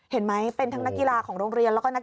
เห็นไหมเป็นทั้งนักกีฬาของโรงเรียน